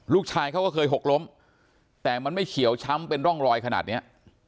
ลูกชายเขาก็เคยหกล้มแต่มันไม่เขียวช้ำเป็นร่องรอยขนาดเนี้ย